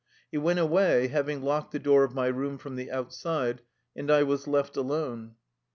He went away, having locked the door of my room from the outside, and I was left alone.